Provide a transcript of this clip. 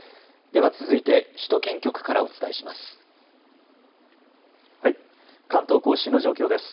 では続いて首都圏局からお伝えします。